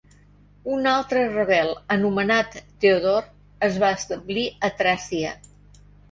Un altre rebel, anomenat Teodor, es va establir a Tràcia.